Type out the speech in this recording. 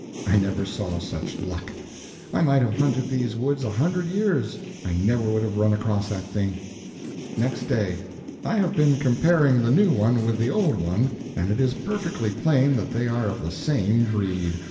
I never saw such luck. I might have hunted these woods a hundred years, I never would have run across that thing. NEXT DAY. I have been comparing the new one with the old one, and it is perfectly plain that they are of the same breed.